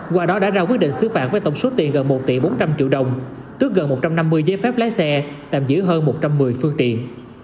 qua đó đã ra quyết định xứ phạt với tổng số tiền gần một tỷ bốn trăm linh triệu đồng tước gần một trăm năm mươi giấy phép lái xe tạm giữ hơn một trăm một mươi phương tiện